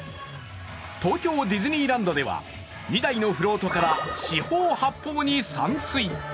東京ディズニーランドでは２台のフロートから四方八方に散水。